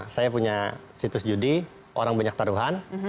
saya punya situs judi orang banyak taruhan